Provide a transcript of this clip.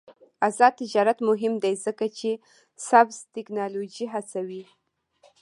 آزاد تجارت مهم دی ځکه چې سبز تکنالوژي هڅوي.